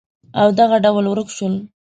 او دغه ډول ورک شول